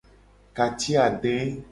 Ka ci ade.